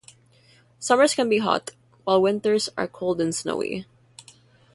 Summers can be hot, while winters are cold and snowy.